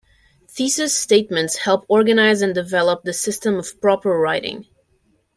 Thesis statements help organize and develop the system of proper writing.